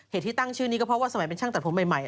ที่ตั้งชื่อนี้ก็เพราะว่าสมัยเป็นช่างตัดผมใหม่